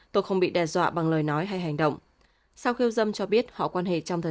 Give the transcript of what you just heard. tôi không bị đe dọa bằng lời nói hay hành động sau khiêu dâm cho biết họ quan hệ trong thời